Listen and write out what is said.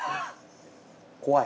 怖い。